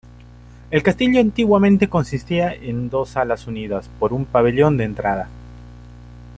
El castillo antiguamente consistía en dos alas unidas por un pabellón de entrada.